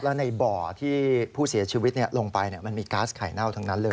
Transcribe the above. แล้วในบ่อที่ผู้เสียชีวิตลงไปมันมีก๊าซไข่เน่าทั้งนั้นเลย